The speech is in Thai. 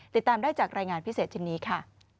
ติดตามได้จากรายงานพิเศษชิ้นนี้ค่ะ